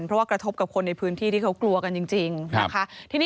เพราะว่ากระทบกับคนในพื้นที่ที่เขากลัวกันจริงนะคะ